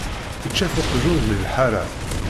Ičča-t uqjun di lḥara.